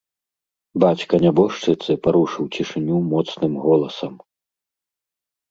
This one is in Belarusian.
Бацька нябожчыцы парушыў цішыню моцным голасам.